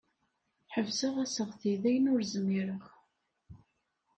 Ḥebseɣ aseɣti dayen ur zmireɣ.